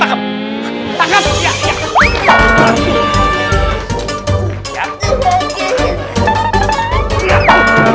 tapi siapa ya dokter ini pinter ngomong